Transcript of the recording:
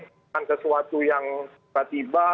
bukan sesuatu yang tiba tiba